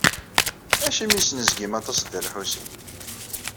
Acimi yesnezgim aṭas Dda Lḥusin?